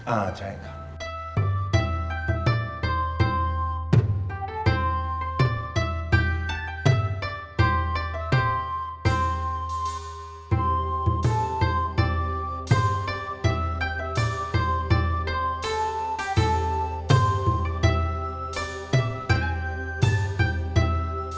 อ่าใช่ครับ